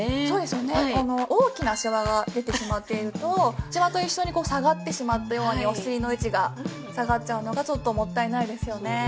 そうですよねこの大きなシワが出てしまっているとシワと一緒に下がってしまったようにお尻の位置が下がっちゃうのがちょっともったいないですよね。